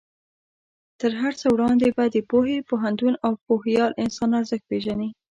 تر هر څه وړاندې به د پوهې، پوهنتون او پوهیال انسان ارزښت پېژنې.